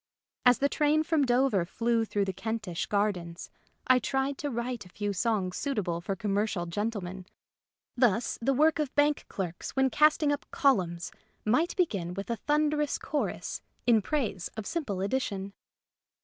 As the train from Dover flew through the Kentish gardens, I tried to write a few songs suitable for commercial gentlemen. Thus, the work of bank clerks when casting up columns might begin with a thundering chorus in praise of Simple Addition.